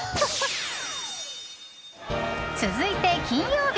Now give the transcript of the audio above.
続いて金曜日。